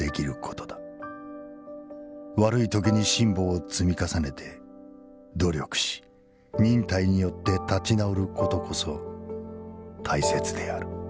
悪い時に辛棒を積み重ねて努力し忍耐によって立直る事こそ大切である」。